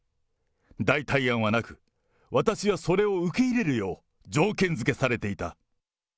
代替案はなく、私はそれを受け入れるよう条件付けされていた。